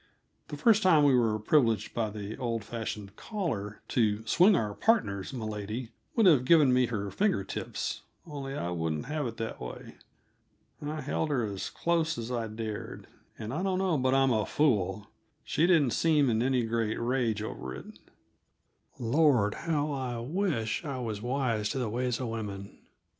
The first time we were privileged, by the old fashioned "caller," to "swing our partners," milady would have given me her finger tips only I wouldn't have it that way. I held her as close as I dared, and I don't know but I'm a fool she didn't seem in any great rage over it. Lord, how I did wish I was wise to the ways of women!